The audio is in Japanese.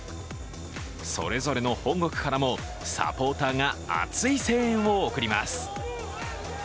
それぞれの本国からもサポーターが熱い声援を送ります。